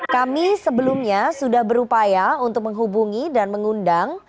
kami sebelumnya sudah berupaya untuk menghubungi dan mengundang